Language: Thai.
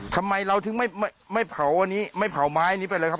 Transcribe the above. ทำไมเราถึงไม่เผาอันนี้ไม่เผาไม้นี้ไปเลยครับ